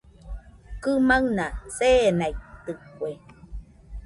Kɨmaɨna seenaitɨkue